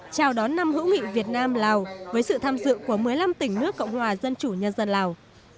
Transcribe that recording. chào đón năm hữu nghị việt nam lào với sự tham dự của một mươi năm tỉnh nước cộng hòa dân chủ nhân dân lào